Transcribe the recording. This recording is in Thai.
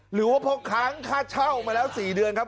หรือว่าเพราะค้างค่าเช่ามาแล้ว๔เดือนครับ